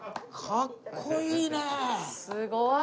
かっこいい！